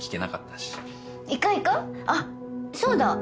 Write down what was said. あっそうだ。